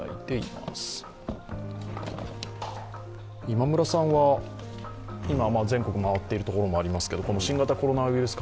今村さんは今、全国を回っているところもありますけど新型コロナウイルス